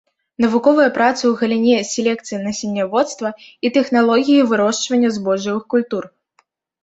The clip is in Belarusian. Навуковыя працы ў галіне селекцыі насенняводства і тэхналогіі вырошчвання збожжавых культур.